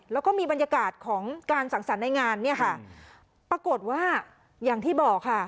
แล้วก็มีบรรยากาศของการสังสรรค์ในงานเนี่ยค่ะปรากฏว่าอย่างที่บอกค่ะ